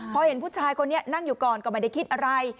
พอเห็นผู้ชายคนนี้นั่งอยู่ก่อนก็ไม่ได้คิดอะไร